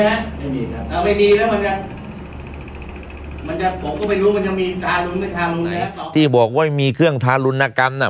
มันจะมีทารุนไม่ทารุนไหมที่บอกว่ามีเครื่องทารุนกรรมน่ะ